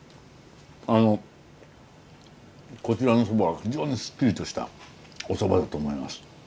あのこちらのそばは非常にすっきりとしたおそばだと思います。